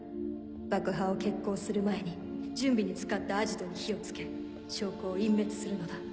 爆破を決行する前に準備に使ったアジトに火を付け証拠を隠滅するのだ。